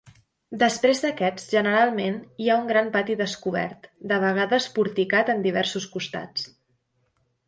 Després d'aquests, generalment hi ha un gran pati descobert, de vegades porticat en diversos costats.